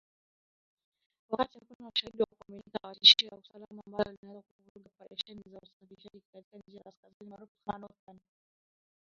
Wakati hakuna ushahidi wa kuaminika wa tishio la usalama ambalo linaweza kuvuruga operesheni za usafirishaji katika njia ya kaskazini maarufu kama “Northern Corridor”